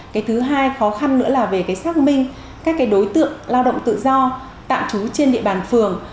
cái thứ hai khó khăn nữa là về cái xác minh các đối tượng lao động tự do tạm trú trên địa bàn phường